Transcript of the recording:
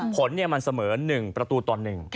ผลมันเสมอ๑ประตูต่อ๑